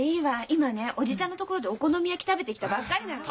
今ね叔父ちゃんのところでお好み焼き食べてきたばっかりなの。